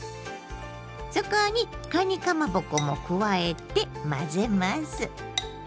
そこにかにかまぼこも加えて混ぜます。